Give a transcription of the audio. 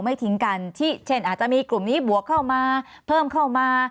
ไม่ทิ้งกันที่เช่นอาจจะมีกลุ่มนี้บวกเข้ามาเพิ่มเข้ามา